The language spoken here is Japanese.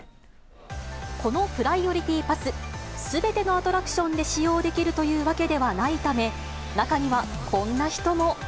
このプライオリティパス、すべてのアトラクションで使用できるというわけではないため、中にはこんな人も。